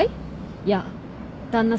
いや旦那